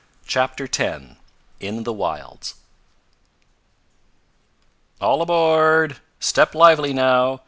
CHAPTER X IN THE WILDS "All aboard! Step lively now!